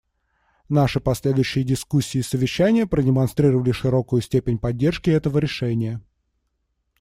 Наши последующие дискуссии и совещания продемонстрировали широкую степень поддержки этого решения.